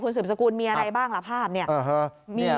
คุณศูนย์สกุลมีอะไรบ้างล่ะภาพเนี่ย